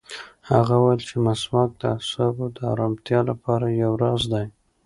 هغه وویل چې مسواک د اعصابو د ارامتیا لپاره یو راز دی.